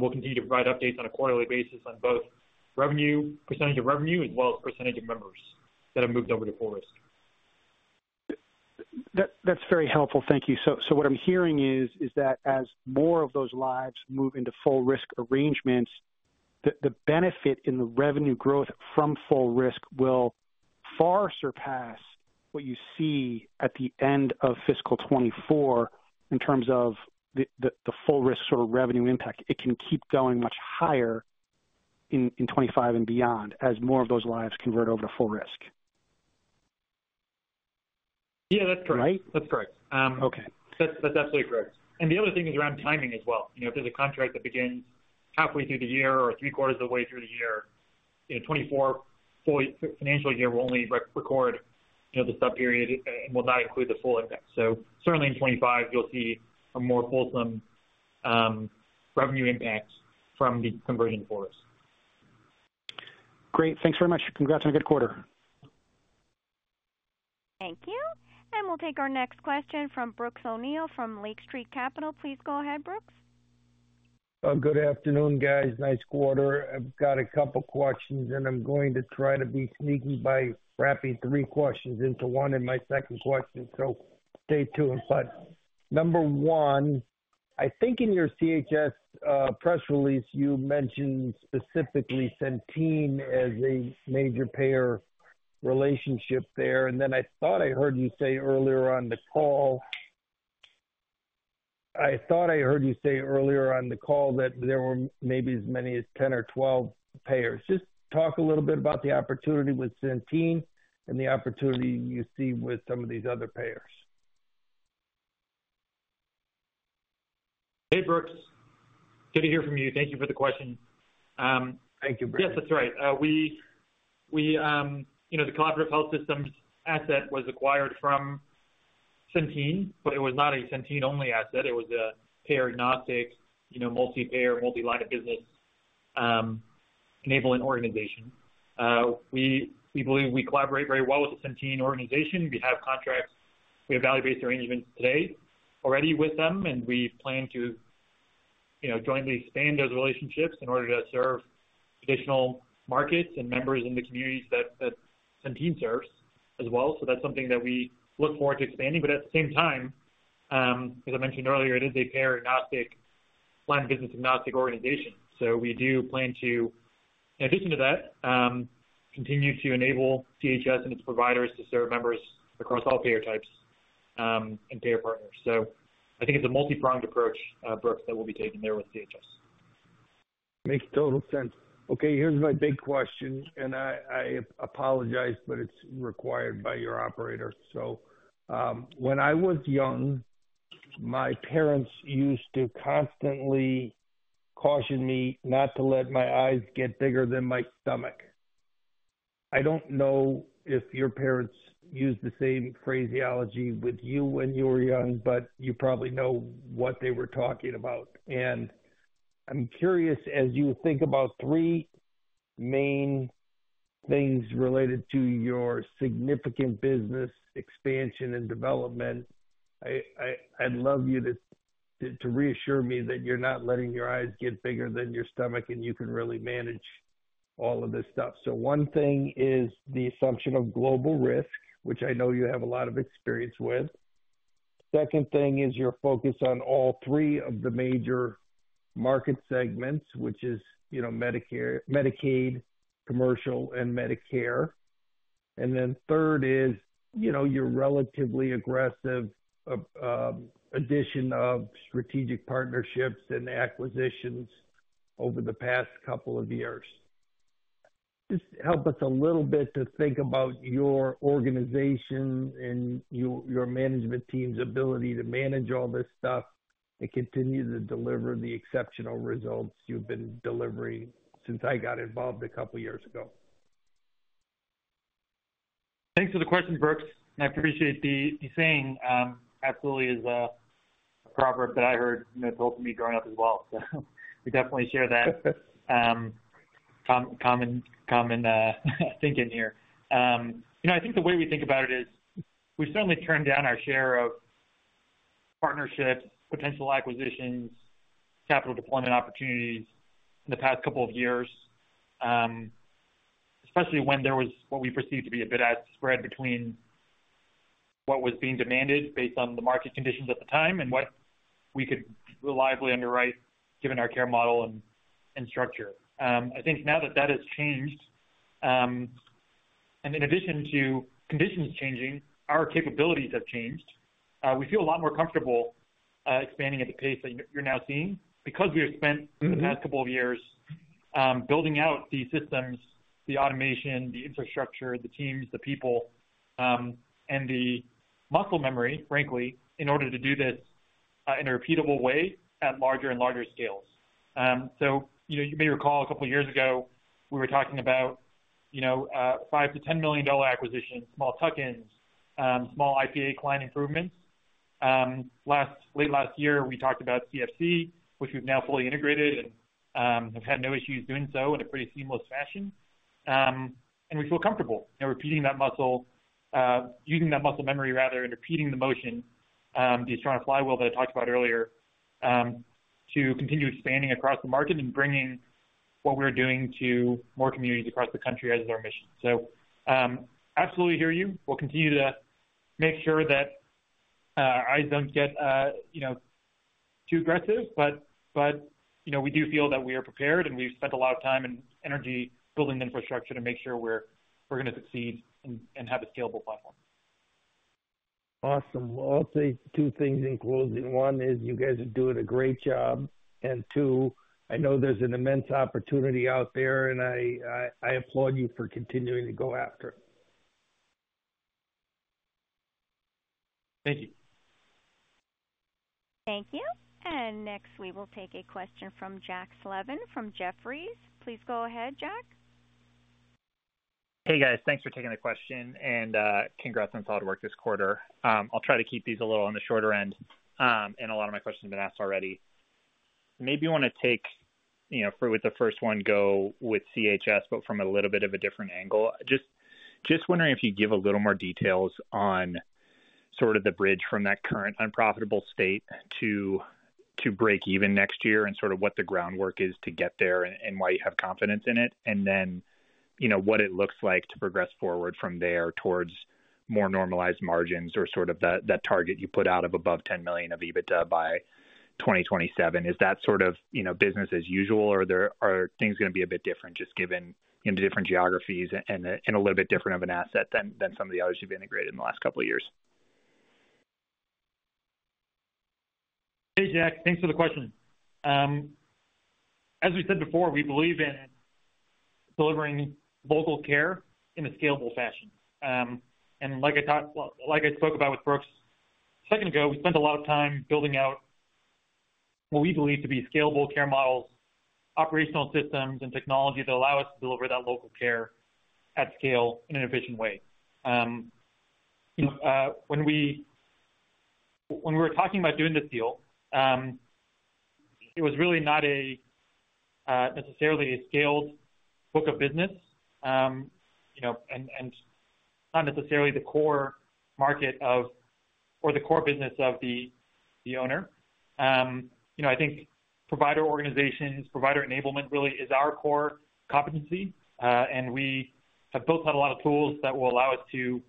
Speaker 2: we'll continue to provide updates on a quarterly basis on both revenue, percentage of revenue, as well as percentage of members that have moved over to full risk.
Speaker 7: That's very helpful. Thank you. So what I'm hearing is that as more of those lives move into full risk arrangements, the benefit in the revenue growth from full risk will far surpass what you see at the end of fiscal 2024 in terms of the full risk sort of revenue impact. It can keep going much higher in 2025 and beyond as more of those lives convert over to full risk. Is that right?
Speaker 2: Yeah, that's correct. That's right.
Speaker 7: Okay.
Speaker 2: That's absolutely correct. The other thing is around timing as well. If there's a contract that begins halfway through the year or three quarters of the way through the year, in 2024, FY will only record the sub-period and will not include the full impact. So certainly in 2025, you'll see a more fulsome revenue impact from the conversion to full risk.
Speaker 7: Great. Thanks very much. Congrats on a good quarter.
Speaker 1: Thank you. And we'll take our next question from Brooks O'Neil from Lake Street Capital. Please go ahead, Brooks.
Speaker 8: Good afternoon, guys. Nice quarter. I've got a couple of questions, and I'm going to try to be sneaky by wrapping three questions into one in my second question, so stay tuned. But number one, I think in your CHS press release, you mentioned specifically Centene as a major payer relationship there. And then I thought I heard you say earlier on the call that there were maybe as many as 10 or 12 payers. Just talk a little bit about the opportunity with Centene and the opportunity you see with some of these other payers.
Speaker 2: Hey, Brooks. Good to hear from you. Thank you for the question. Thank you, Brooks. Yes, that's right. The Collaborative Health Systems asset was acquired from Centene, but it was not a Centene-only asset. It was a payer agnostic, multi-payer, multi-line of business enabling organization. We believe we collaborate very well with the Centene organization. We have contracts. We have value-based arrangements today already with them, and we plan to jointly expand those relationships in order to serve additional markets and members in the communities that Centene serves as well. So that's something that we look forward to expanding. But at the same time, as I mentioned earlier, it is a payer agnostic, line of business agnostic organization. So we do plan to, in addition to that, continue to enable CHS and its providers to serve members across all payer types and payer partners. So I think it's a multi-pronged approach, Brooks, that we'll be taking there with CHS.
Speaker 8: Makes total sense. Okay. Here's my big question, and I apologize, but it's required by your operator. So when I was young, my parents used to constantly caution me not to let my eyes get bigger than my stomach. I don't know if your parents used the same phraseology with you when you were young, but you probably know what they were talking about. And I'm curious, as you think about three main things related to your significant business expansion and development, I'd love you to reassure me that you're not letting your eyes get bigger than your stomach and you can really manage all of this stuff. So one thing is the assumption of global risk, which I know you have a lot of experience with. Second thing is your focus on all three of the major market segments, which is Medicaid, commercial, and Medicare. And then third is your relatively aggressive addition of strategic partnerships and acquisitions over the past couple of years. Just help us a little bit to think about your organization and your management team's ability to manage all this stuff and continue to deliver the exceptional results you've been delivering since I got involved a couple of years ago?
Speaker 2: Thanks for the question, Brooks. I appreciate the saying. Absolutely is a proverb that I heard told to me growing up as well. So we definitely share that common thinking here. I think the way we think about it is we've certainly turned down our share of partnerships, potential acquisitions, capital deployment opportunities in the past couple of years, especially when there was what we perceived to be a bit of spread between what was being demanded based on the market conditions at the time and what we could reliably underwrite given our care model and structure. I think now that that has changed, and in addition to conditions changing, our capabilities have changed. We feel a lot more comfortable expanding at the pace that you're now seeing because we have spent the past couple of years building out the systems, the automation, the infrastructure, the teams, the people, and the muscle memory, frankly, in order to do this in a repeatable way at larger and larger scales. So you may recall a couple of years ago, we were talking about $5 million-$10 million acquisitions, small tuck-ins, small IPA client improvements. Late last year, we talked about CFC, which we've now fully integrated and have had no issues doing so in a pretty seamless fashion. And we feel comfortable repeating that muscle, using that muscle memory rather, and repeating the motion, the Astrana flywheel that I talked about earlier, to continue expanding across the market and bringing what we're doing to more communities across the country as our mission. So, absolutely hear you. We'll continue to make sure that our eyes don't get too aggressive, but we do feel that we are prepared and we've spent a lot of time and energy building the infrastructure to make sure we're going to succeed and have a scalable platform.
Speaker 8: Awesome. Well, I'll say two things in closing. One is you guys are doing a great job. And two, I know there's an immense opportunity out there, and I applaud you for continuing to go after it.
Speaker 2: Thank you.
Speaker 1: Thank you. And next, we will take a question from Jack Slevin from Jefferies. Please go ahead, Jack.
Speaker 9: Hey, guys. Thanks for taking the question, and congrats on solid results this quarter. I'll try to keep these a little on the shorter end, and a lot of my questions have been asked already. Maybe you want to take for with the first one, go with CHS, but from a little bit of a different angle. Just wondering if you'd give a little more details on sort of the bridge from that current unprofitable state to break even next year and sort of what the groundwork is to get there and why you have confidence in it, and then what it looks like to progress forward from there towards more normalized margins or sort of that target you put out of above $10 million of EBITDA by 2027. Is that sort of business as usual, or are things going to be a bit different just given the different geographies and a little bit different of an asset than some of the others you've integrated in the last couple of years?
Speaker 2: Hey, Jack. Thanks for the question. As we said before, we believe in delivering local care in a scalable fashion. Like I spoke about with Brooks a second ago, we spent a lot of time building out what we believe to be scalable care models, operational systems, and technology that allow us to deliver that local care at scale in an efficient way. When we were talking about doing this deal, it was really not necessarily a scaled book of business and not necessarily the core market or the core business of the owner. I think provider organizations, provider enablement really is our core competency, and we have built out a lot of tools that will allow us to,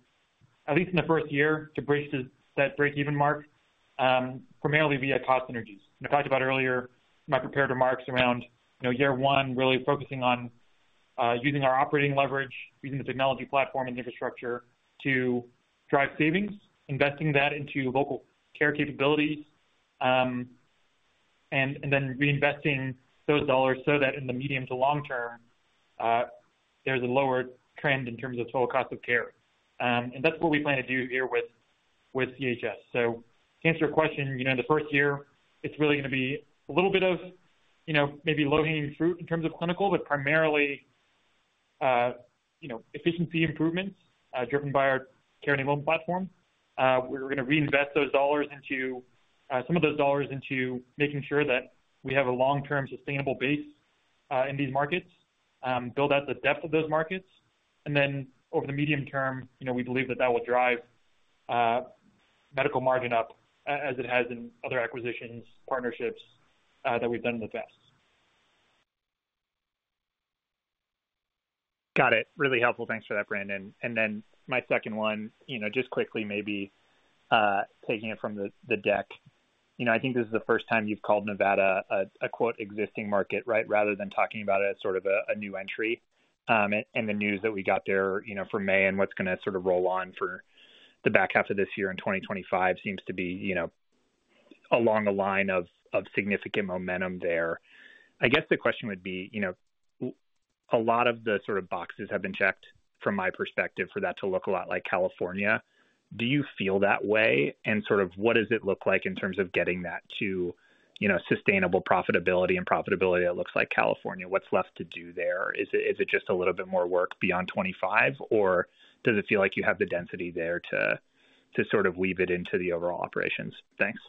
Speaker 2: at least in the first year, to break that break-even mark primarily via cost synergies. I talked about earlier in my prepared remarks around year one, really focusing on using our operating leverage, using the technology platform and infrastructure to drive savings, investing that into local care capabilities, and then reinvesting those dollars so that in the medium to long term, there's a lower trend in terms of total cost of care. And that's what we plan to do here with CHS. So to answer your question, the first year, it's really going to be a little bit of maybe low-hanging fruit in terms of clinical, but primarily efficiency improvements driven by our Care Enablement platform. We're going to reinvest those dollars into some of those dollars into making sure that we have a long-term sustainable base in these markets, build out the depth of those markets. And then over the medium term, we believe that that will drive medical margin up as it has in other acquisitions, partnerships that we've done in the past.
Speaker 9: Got it. Really helpful. Thanks for that, Brandon. And then my second one, just quickly, maybe taking it from the deck. I think this is the first time you've called Nevada an "existing market," right, rather than talking about it as sort of a new entry. And the news that we got there from May and what's going to sort of roll on for the back half of this year in 2025 seems to be along the line of significant momentum there. I guess the question would be, a lot of the sort of boxes have been checked from my perspective for that to look a lot like California. Do you feel that way? And sort of what does it look like in terms of getting that to sustainable profitability and profitability that looks like California? What's left to do there? Is it just a little bit more work beyond 2025, or does it feel like you have the density there to sort of weave it into the overall operations? Thanks.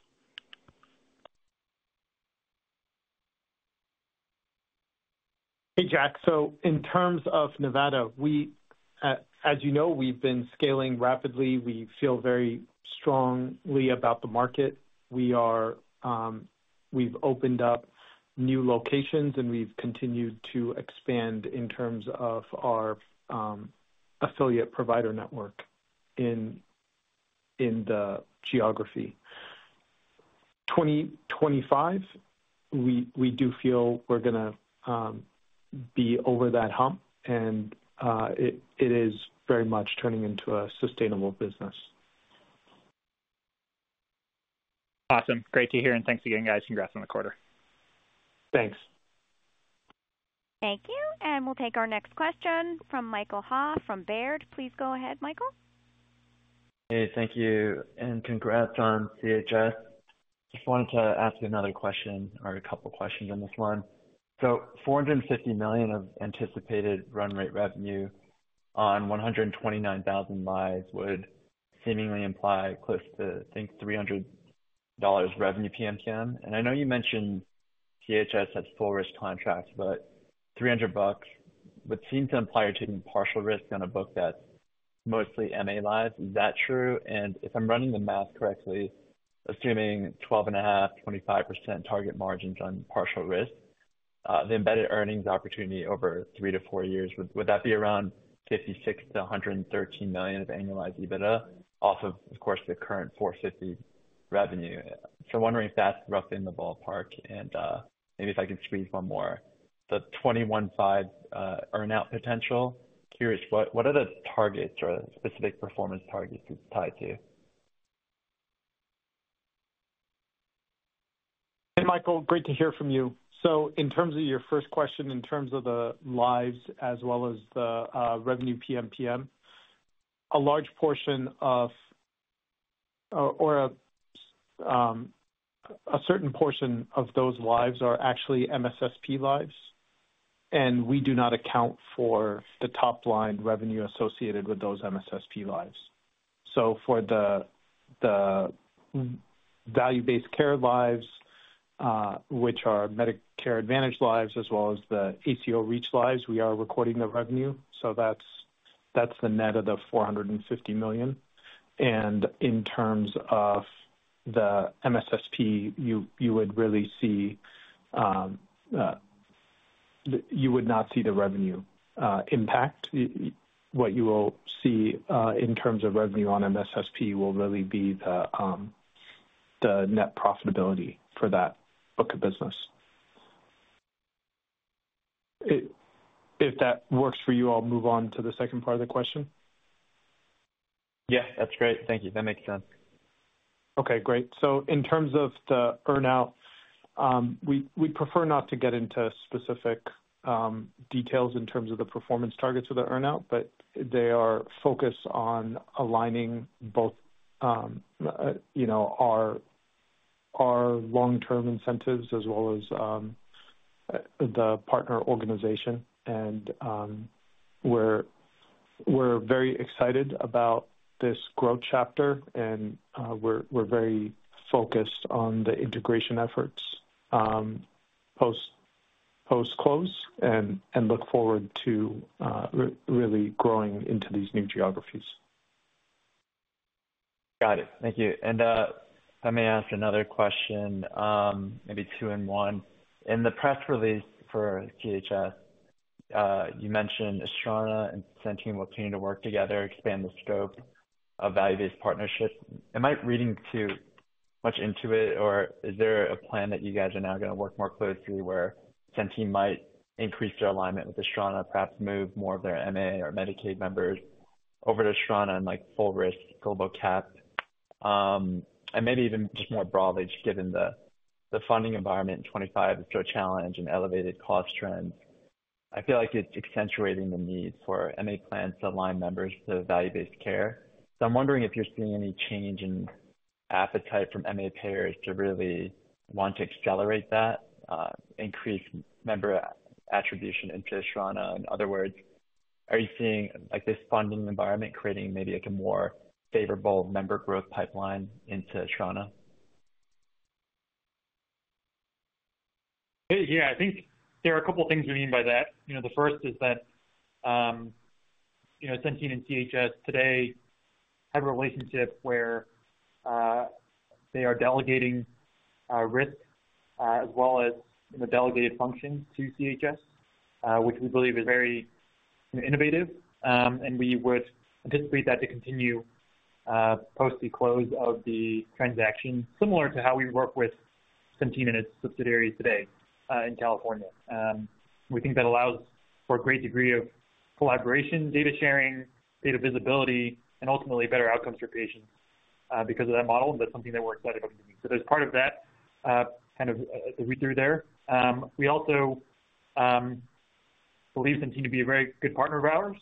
Speaker 2: Hey, Jack. So in terms of Nevada, as you know, we've been scaling rapidly. We feel very strongly about the market. We've opened up new locations, and we've continued to expand in terms of our affiliate provider network in the geography. 2025, we do feel we're going to be over that hump, and it is very much turning into a sustainable business.
Speaker 9: Awesome. Great to hear. And thanks again, guys. Congrats on the quarter.
Speaker 2: Thanks.
Speaker 1: Thank you. And we'll take our next question from Michael Ha from Baird. Please go ahead, Michael.
Speaker 10: Hey, thank you. And congrats on CHS. Just wanted to ask you another question or a couple of questions on this one. So $450 million of anticipated run rate revenue on 129,000 lives would seemingly imply close to, I think, $300 revenue PMPM. And I know you mentioned CHS has full risk contracts, but $300 would seem to imply you're taking partial risk on a book that's mostly MA lives. Is that true? And if I'm running the math correctly, assuming 12.5%-25% target margins on partial risk, the embedded earnings opportunity over 3 years-4 years, would that be around $56 million-$113 million of annualized EBITDA off of, of course, the current $450 million revenue? So I'm wondering if that's roughly in the ballpark. And maybe if I can squeeze one more, the $215 earnout potential, curious what are the targets or specific performance targets it's tied to?
Speaker 3: Hey, Michael. Great to hear from you. So in terms of your first question, in terms of the lives as well as the revenue PMPM, a large portion of or a certain portion of those lives are actually MSSP lives, and we do not account for the top line revenue associated with those MSSP lives. So for the value-based care lives, which are Medicare Advantage lives, as well as the ACO REACH lives, we are recording the revenue. So that's the net of the $450 million. And in terms of the MSSP, you would really see you would not see the revenue impact. What you will see in terms of revenue on MSSP will really be the net profitability for that book of business. If that works for you, I'll move on to the second part of the question.
Speaker 10: Yes, that's great. Thank you. That makes sense. Okay, great.
Speaker 3: So in terms of the earnout, we'd prefer not to get into specific details in terms of the performance targets of the earnout, but they are focused on aligning both our long-term incentives as well as the partner organization. And we're very excited about this growth chapter, and we're very focused on the integration efforts post-close and look forward to really growing into these new geographies.
Speaker 10: Got it. Thank you. And if I may ask another question, maybe two in one. In the press release for CHS, you mentioned Astrana and Centene will continue to work together, expand the scope of value-based partnerships. Am I reading too much into it, or is there a plan that you guys are now going to work more closely where Centene might increase their alignment with Astrana, perhaps move more of their MA or Medicaid members over to Astrana and full risk, global cap? And maybe even just more broadly, just given the funding environment in 2025 is still a challenge and elevated cost trends, I feel like it's accentuating the need for MA plans to align members to value-based care. So I'm wondering if you're seeing any change in appetite from MA payers to really want to accelerate that, increase member attribution into Astrana. In other words, are you seeing this funding environment creating maybe a more favorable member growth pipeline into Astrana?
Speaker 2: Hey, yeah, I think there are a couple of things we mean by that. The first is that Centene and CHS today have a relationship where they are delegating risk as well as delegated functions to CHS, which we believe is very innovative. We would anticipate that to continue post the close of the transaction, similar to how we work with Centene and its subsidiaries today in California. We think that allows for a great degree of collaboration, data sharing, data visibility, and ultimately better outcomes for patients because of that model. That's something that we're excited about. There's part of that kind of read-through there. We also believe Centene to be a very good partner of ours.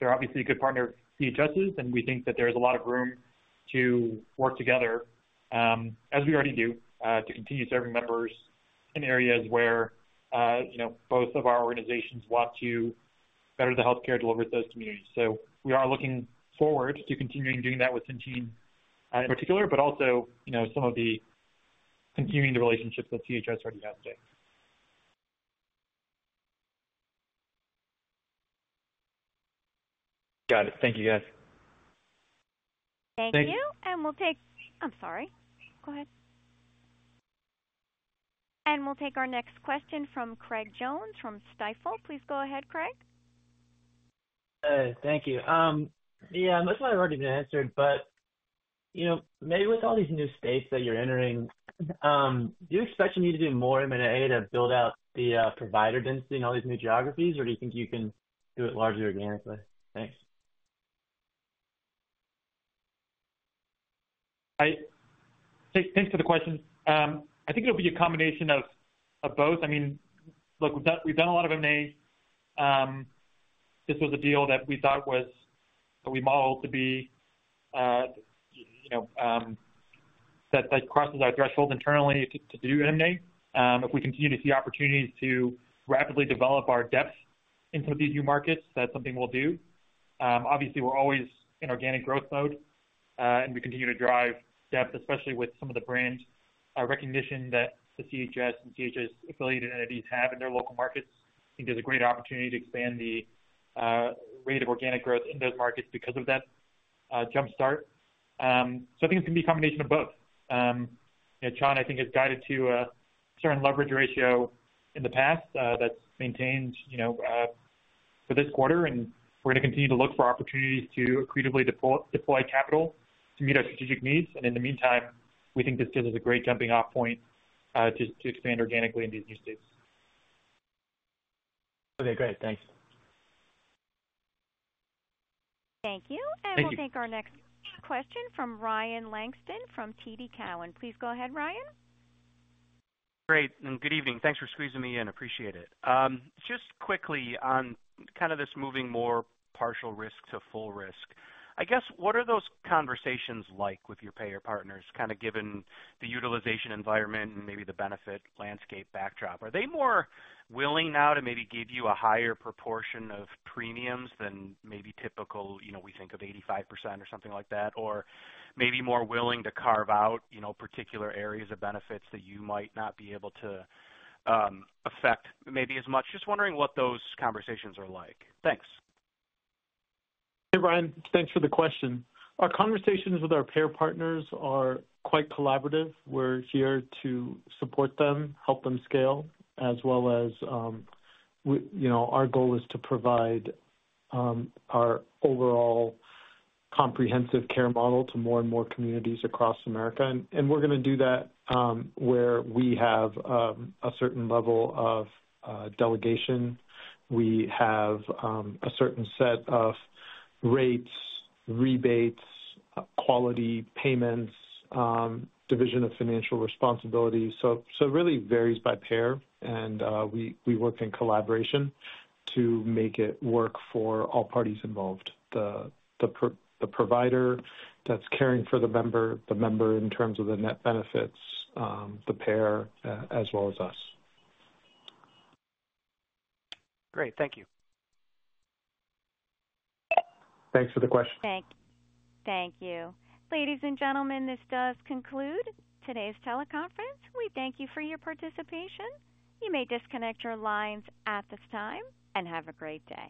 Speaker 2: They're obviously a good partner of CHS's, and we think that there is a lot of room to work together, as we already do, to continue serving members in areas where both of our organizations want to better the healthcare delivered to those communities. So we are looking forward to continuing doing that with Centene in particular, but also some of the continuing the relationships that CHS already has today.
Speaker 10: Got it. Thank you, guys.
Speaker 1: Thank you. And we'll take - I'm sorry. Go ahead. And we'll take our next question from Craig Jones from Stifel. Please go ahead, Craig.
Speaker 11: Thank you. Yeah, most of that has already been answered, but maybe with all these new states that you're entering, do you expect you need to do more M&A to build out the provider density in all these new geographies, or do you think you can do it largely organically? Thanks.
Speaker 2: Thanks for the question. I think it'll be a combination of both. I mean, look, we've done a lot of M&A. This was a deal that we thought was - that we modeled to be - that crosses our threshold internally to do M&A. If we continue to see opportunities to rapidly develop our depth in some of these new markets, that's something we'll do. Obviously, we're always in organic growth mode, and we continue to drive depth, especially with some of the brand recognition that the CHS and CHS-affiliated entities have in their local markets. I think there's a great opportunity to expand the rate of organic growth in those markets because of that jumpstart. So I think it's going to be a combination of both. Chan, I think, has guided to a certain leverage ratio in the past that's maintained for this quarter, and we're going to continue to look for opportunities to accretively deploy capital to meet our strategic needs. And in the meantime, we think this gives us a great jumping-off point to expand organically in these new states.
Speaker 11: Okay, great. Thanks.
Speaker 1: Thank you. And we'll take our next question from Ryan Langston from TD Cowen. Please go ahead, Ryan.
Speaker 12: Great. And good evening. Thanks for squeezing me in. Appreciate it. Just quickly on kind of this moving more partial risk to full risk, I guess, what are those conversations like with your payer partners, kind of given the utilization environment and maybe the benefit landscape backdrop? Are they more willing now to maybe give you a higher proportion of premiums than maybe typical? We think of 85% or something like that, or maybe more willing to carve out particular areas of benefits that you might not be able to affect maybe as much? Just wondering what those conversations are like.
Speaker 2: Thanks. Hey, Ryan. Thanks for the question. Our conversations with our payer partners are quite collaborative. We're here to support them, help them scale, as well as our goal is to provide our overall comprehensive care model to more and more communities across America. We're going to do that where we have a certain level of delegation. We have a certain set of rates, rebates, quality payments, division of financial responsibility. So it really varies by payer, and we work in collaboration to make it work for all parties involved: the provider that's caring for the member, the member in terms of the net benefits, the payer, as well as us.
Speaker 12: Great. Thank you.
Speaker 2: Thanks for the question.
Speaker 1: Thank you. Ladies and gentlemen, this does conclude today's teleconference. We thank you for your participation. You may disconnect your lines at this time and have a great day.